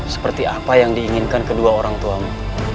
seperti apa yang diinginkan kedua orang tuamu